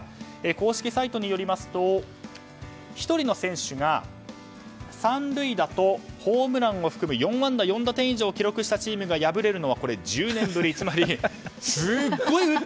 公式サイトによりますと１人の選手が３塁打とホームランを含む４安打４打点以上を記録したチームが敗れるのは１０年ぶり。